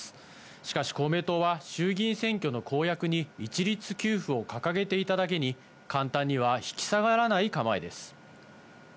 しかし公明党は、衆議院選挙の公約に一律給付を掲げていただけに、簡単には引き下がらない構えです。